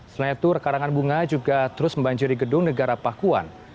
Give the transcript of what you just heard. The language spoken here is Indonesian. selain itu rekarangan bunga juga terus membanjuri gedung negara pakuan